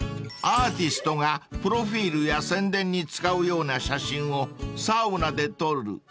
［アーティストがプロフィルや宣伝に使うような写真をサウナで撮る］